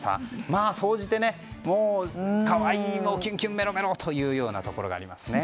まあ、総じて可愛い、キュンキュン、メロメロというところがありますね。